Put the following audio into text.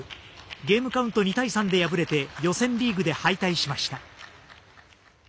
ゲームカウント２対３で敗れて予選リーグで敗退しました。